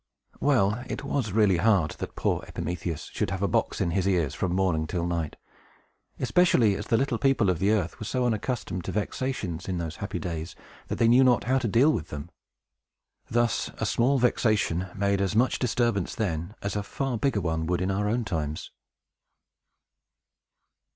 Well, it was really hard that poor Epimetheus should have a box in his ears from morning till night; especially as the little people of the earth were so unaccustomed to vexations, in those happy days, that they knew not how to deal with them. Thus, a small vexation made as much disturbance then, as a far bigger one would in our own times.